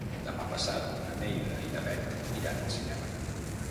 Demà passat na Neida i na Bet iran al cinema.